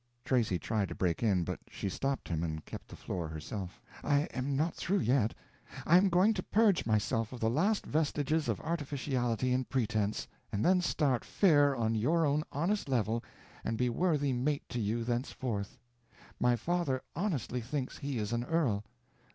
Tracy tried to break in, but she stopped him and kept the floor herself. "I am not through yet. I am going to purge myself of the last vestiges of artificiality and pretence, and then start fair on your own honest level and be worthy mate to you thenceforth. My father honestly thinks he is an earl.